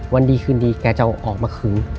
วันดีคืนดีแกจะออกมาคืน